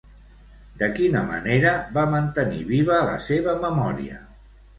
De quina manera va mantenir viva la seva memòria?